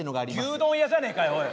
牛丼屋じゃねえかよおい。